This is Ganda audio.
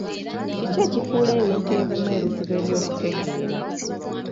Kiki ekifuula ebintu ebimu ebizibu eby'okutegeera?